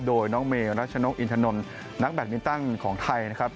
โดยน้องเมรัชนกอินทนนท์นักแบตมินตันของไทยนะครับ